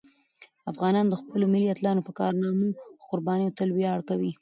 افغانان د خپلو ملي اتلانو په کارنامو او قربانیو تل ویاړ کوي.